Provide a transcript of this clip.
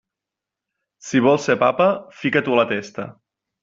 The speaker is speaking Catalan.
Si vols ser papa, fica-t'ho a la testa.